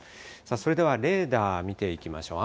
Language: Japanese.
それではレーダー見ていきましょう。